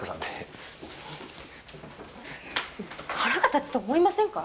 腹が立つと思いませんか？